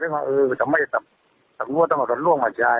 เออถ้าไม่สำรวจต้องเอารถล่วงมาจ่าย